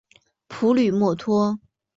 普吕默托。